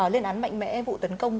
liên án mạnh mẽ vụ tấn công